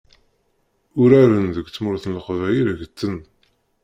Uraren deg tmurt n leqbayel ggten.